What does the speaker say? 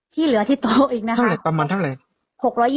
ที่เหลือที่โต๊ะอีกนะคะประมาณเท่าไหร่